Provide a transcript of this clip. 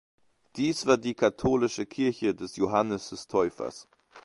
Dies war die katholische Kirche des Johannes des Täufers.